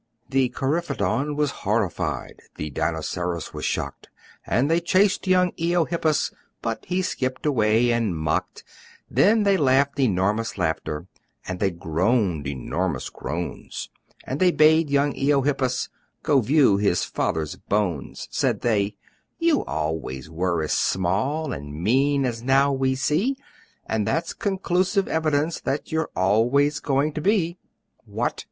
The Coryphodon was horrified, The Dinoceras was shocked; And they chased young Eohippus, But he skipped away and mocked; Then they laughed enormous laughter, And they groaned enormous groans, And they bade young Eohippus Go view his father's bones: Said they, "You always were as small And mean as now we see, And that's conclusive evidence That you're always going to be: What!